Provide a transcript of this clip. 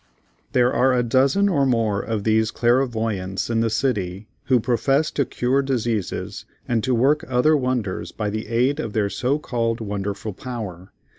There are a dozen or more of these "Clairvoyants" in the city who profess to cure diseases, and to work other wonders by the aid of their so called wonderful power.